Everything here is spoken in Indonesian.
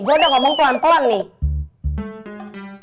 gue udah ngomong pelan pelan nih